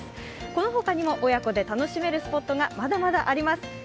この他にも、親子で楽しめるスポットがまだまだあります。